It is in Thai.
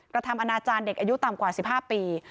กระทำอนาจารย์เด็กอายุต่ำกว่า๑๕ปี